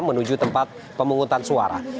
menuju tempat pemungutan suara